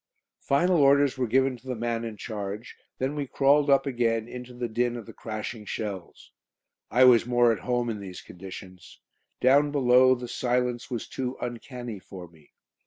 Final orders were given to the man in charge, then we crawled up again into the din of the crashing shells. I was more at home in these conditions. Down below the silence was too uncanny for me.